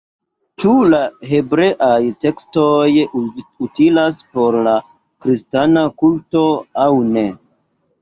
Ĉu la hebreaj tekstoj utilas por la kristana kulto aŭ ne?